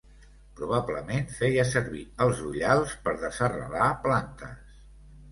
Probablement feia servir els ullals per desarrelar plantes.